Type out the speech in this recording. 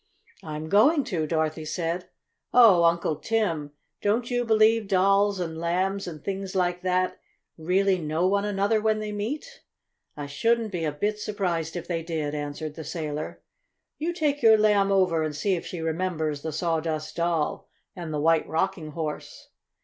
"I'm going to," Dorothy said. "Oh, Uncle Tim, don't you believe Dolls, and Lambs, and things like that, really know one another when they meet?" "I shouldn't be a bit surprised if they did," answered the sailor. "You take your Lamb over and see if she remembers the Sawdust Doll and the White Rocking Horse."